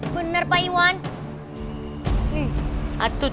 bener pak iwan